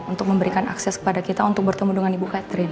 untuk memberikan akses kepada kita untuk bertemu dengan ibu catherine